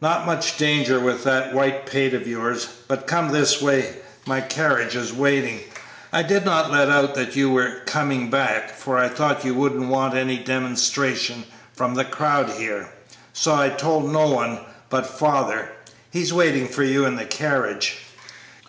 "Not much danger with that white pate of yours; but come this way, my carriage is waiting. I did not let out that you were coming back, for I thought you wouldn't want any demonstration from the crowd here, so I told no one but father; he's waiting for you in the carriage."